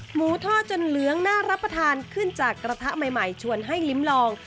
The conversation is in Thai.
หมูทอดจนเหลืองน่ารับประทานขึ้นจากกระทะใหม่ชวนให้ลิ้มลอง